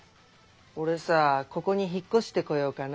オレさぁここに引っ越してこようかな。